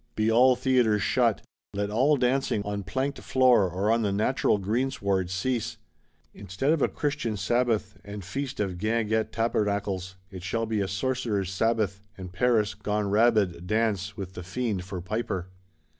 Be all Theatres shut; let all dancing, on planked floor, or on the natural greensward, cease! Instead of a Christian Sabbath, and feast of guinguette tabernacles, it shall be a Sorcerer's Sabbath; and Paris, gone rabid, dance,—with the Fiend for piper!